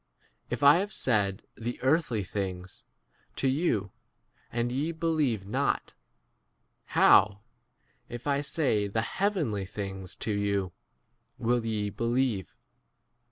If I have said the earthly things to you, and ye believe not, how, if I say the heavenly things to you, 13 will ye believe